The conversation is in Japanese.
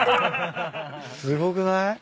すごくない？